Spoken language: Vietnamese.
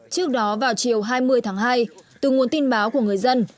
trước đó vào chiều hai mươi tháng hai từ nguồn tin báo của người dân